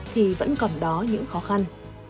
thì vẫn còn đó những khó khăn